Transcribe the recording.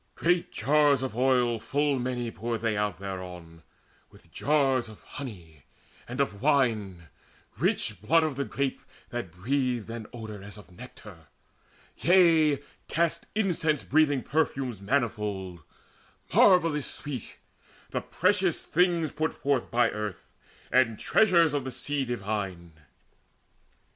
Great jars of oil Full many poured they out thereon, with jars Of honey and of wine, rich blood of the grape That breathed an odour as of nectar, yea, Cast incense breathing perfumes manifold Marvellous sweet, the precious things put forth By earth, and treasures of the sea divine.